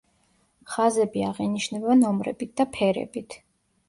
ხაზები აღინიშნება ნომრებით და ფერებით.